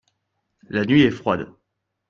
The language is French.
La nuit est froide.